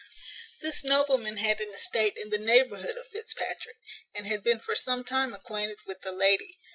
This nobleman had an estate in the neighbourhood of Fitzpatrick, and had been for some time acquainted with the lady.